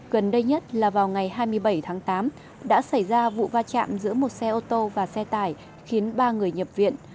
gần đây nhất là vào ngày hai mươi bảy tháng tám đã xảy ra vụ va chạm giữa một xe ô tô và xe tải khiến ba người nhập viện